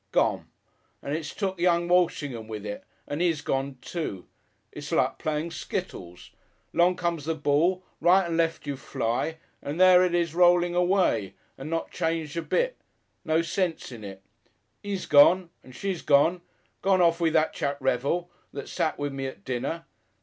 Gone! And it's took young Walshingham with it, and 'e's gone, too. It's like playing skittles. 'Long comes the ball, right and left you fly, and there it is rolling away and not changed a bit. No sense in it! 'E's gone, and she's gone gone off with that chap Revel, that sat with me at dinner.